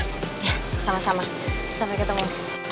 nah sama sama sampai ketemu